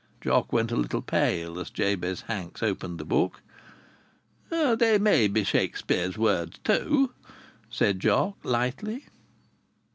Jock went a little pale as Jabez Hanks opened the book. "They may be Shakspere's words too," said Jock, lightly.